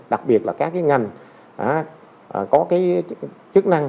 đặc biệt là các ngành có chức năng